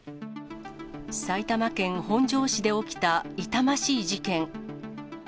埼玉県本庄市で起きた痛ましい事件。